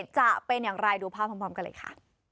จะเป็นอย่างไรดูภาพพร้อมกันเลยค่ะ